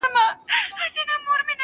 عبث دي راته له زلفو نه دام راوړ.